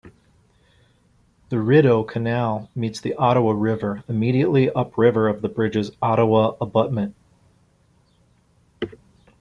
The Rideau Canal meets the Ottawa River immediately upriver of the bridge's Ottawa abutment.